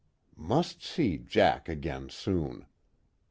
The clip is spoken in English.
_Must see Jack again, soon.